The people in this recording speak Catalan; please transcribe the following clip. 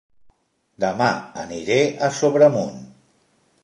Dema aniré a Sobremunt